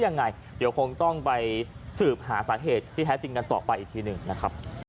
นะครับ